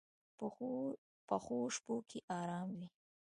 پخو شپو کې آرام وي